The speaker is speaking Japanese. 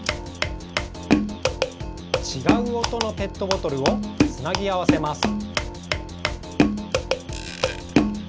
ちがうおとのペットボトルをつなぎあわせます。